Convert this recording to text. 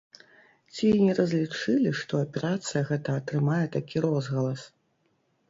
Ці не разлічылі, што аперацыя гэта атрымае такі розгалас?